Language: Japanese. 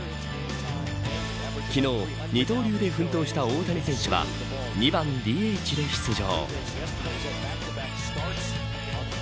昨日、二刀流で奮闘した大谷選手は２番ＤＨで出場。